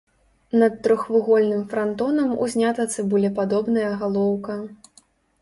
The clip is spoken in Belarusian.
Над трохвугольным франтонам узнята цыбулепадобная галоўка.